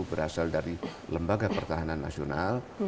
berasal dari lembaga pertahanan nasional